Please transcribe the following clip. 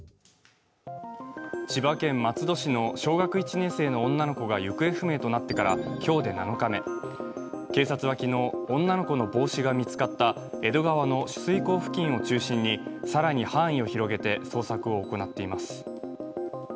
千葉県松戸市の小学１年生の女の子が行方不明となってから今日で７日目警察は昨日、女の子の帽子が見つかった江戸川の取水口付近を中心に更に範囲を広げて捜索を行っています。